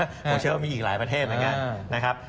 ผมเชื่อว่ามีอีกหลายประเทศเหมือนกันนะครับ